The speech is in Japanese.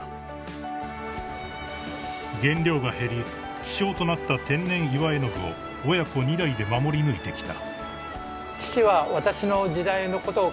［原料が減り希少となった天然岩絵の具を親子二代で守りぬいてきた］